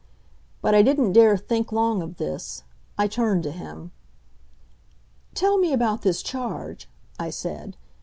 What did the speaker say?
But I didn't dare think long of this. I turned to him. "Tell me about this charge," I said.